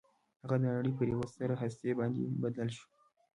هغه د نړۍ پر یوه ستره هستي باندې بدل شو